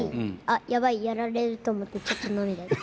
やばいやられると思ってちょっと涙出る。